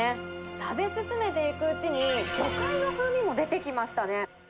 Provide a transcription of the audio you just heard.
食べ進めていくうちに、魚介の風味も出てきましたね。